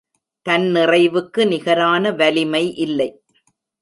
தன்னிறைவுக்கு நிகரான வலிமை இல்லை.